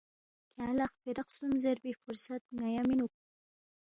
کھیانگ لہ خپیرا خسُوم زیربی فرصت ن٘یا مِنوک